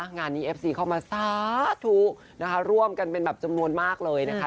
งานนี้เอฟซีเข้ามาสาธุนะคะร่วมกันเป็นแบบจำนวนมากเลยนะคะ